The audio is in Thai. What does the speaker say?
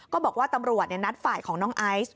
ก็บอกว่าตำรวจนัดฝ่ายของน้องไอซ์